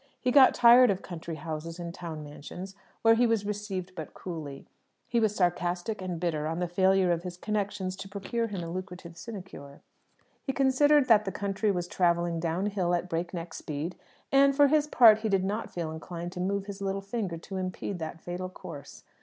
He got tired of country houses and town mansions where he was received but coolly. He was sarcastic and bitter on the failure of his connections to procure him a lucrative sinecure. He considered that the country was travelling downhill at break neck speed, and, for his part, he did not feel inclined to move his little finger to impede that fatal course.